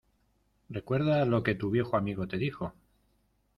Recuerda lo que tu viejo amigo te dijo